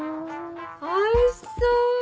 おいしそう！